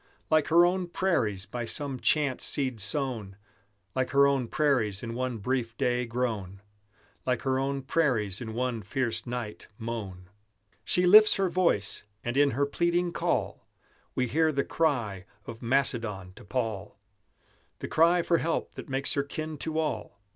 Like her own prairies by some chance seed sown, Like her own prairies in one brief day grown, Like her own prairies in one fierce night mown. She lifts her voice, and in her pleading call We hear the cry of Macedon to Paul, The cry for help that makes her kin to all.